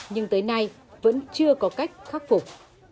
nhưng tới nay vẫn chưa có cách khắc phục